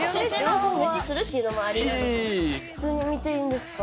普通に見ていいんですか？